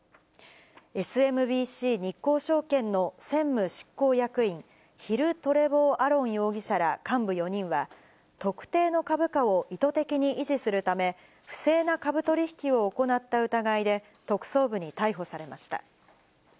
ＳＭＢＣ日興証券の専務執行役員、ヒル・トレボー・アロン容疑者ら幹部４人は、特定の株価を意図的に維持するため、不正な株取引を行った疑いで、特捜部に逮捕されました。